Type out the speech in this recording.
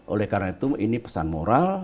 oleh karena itu ini pesan moral